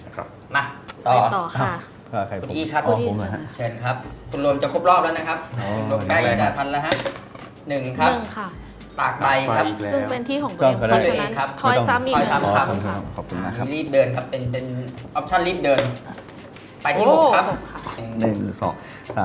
ประตูดวงครับ